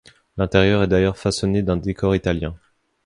L'intérieur est d'ailleurs façonné d'un décor italien.